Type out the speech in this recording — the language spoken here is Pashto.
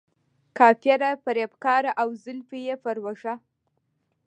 کافره، فریب کاره او زلفې یې پر اوږه.